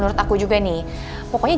doa aku sama dia yang alright